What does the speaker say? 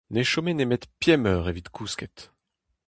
Ne chome nemet pemp eur evit kousket.